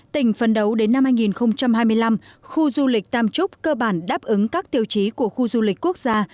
tỉnh phấn đấu đến năm hai nghìn hai mươi năm khu du lịch tam trúc cơ bản đáp ứng các tiêu chí của khu du lịch quốc gia